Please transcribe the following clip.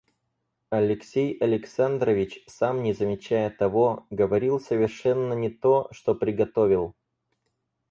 Алексей Александрович, сам не замечая того, говорил совершенно не то, что приготовил.